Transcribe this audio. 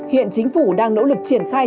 hiện chính phủ đang nỗ lực triển khai